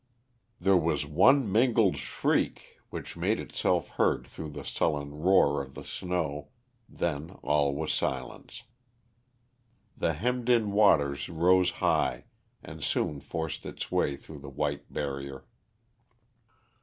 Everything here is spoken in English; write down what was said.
There was one mingled shriek which made itself heard through the sullen roar of the snow, then all was silence. The hemmed in waters rose high and soon forced its way through the white barrier.